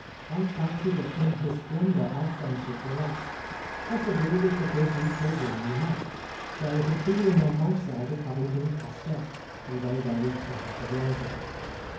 I fancy that in his splendour our friendship relaxed. Possibly it was because we so rarely met. There was a feeling on my side of having been cast off, although there was little to warrant it.